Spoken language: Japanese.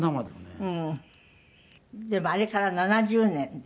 でもあれから７０年で。